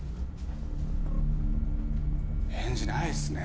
返事ないっすね。